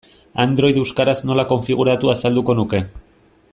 Android euskaraz nola konfiguratu azalduko nuke.